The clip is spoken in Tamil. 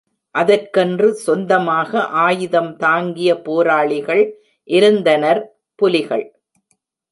அதற்கென்று சொந்தமாக ஆயுதம் தாங்கிய போராளிகள் இருந்தனர், புலிகள்.